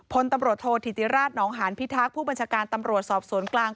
พลตำรวจโทษธิติราชนองหานพิทักษ์ผู้บัญชาการตำรวจสอบสวนกลาง